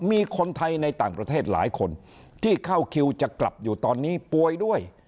มีคนไทยในต่างประเทศหลายคนที่เข้าคิวจะกลับอยู่ตอนนี้ป่วยด้วย